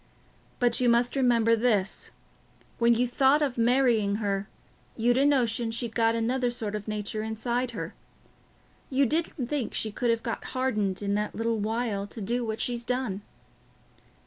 But you must remember this: when you thought of marrying her, you'd a notion she'd got another sort of a nature inside her. You didn't think she could have got hardened in that little while to do what she's done."